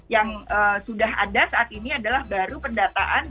yang sudah ada saat ini adalah baru pendataan untuk rumah sakit